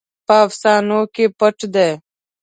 په افسانو کې پټ دی.